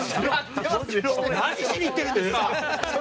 何しに行ってるんですか。